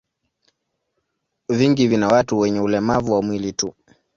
Vingi vina watu wenye ulemavu wa mwili tu.